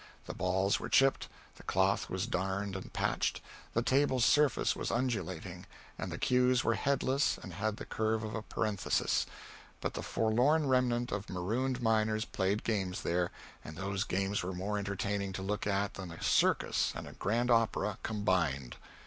The balls were chipped, the cloth was darned and patched, the table's surface was undulating, and the cues were headless and had the curve of a parenthesis but the forlorn remnant of marooned miners played games there, and those games were more entertaining to look at than a circus and a grand opera combined.